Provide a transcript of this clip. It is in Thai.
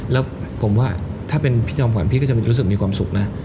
แล้วผมว่าถ้าเป็นพี่จอมขวัญพี่ก็จะมีรู้สึกมีความสุขนะ